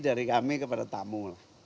dari kami kepada tamu